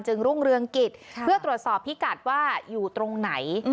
รุ่งเรืองกิจเพื่อตรวจสอบพิกัดว่าอยู่ตรงไหน